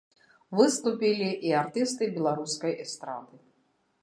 Выступілі і артысты беларускай эстрады.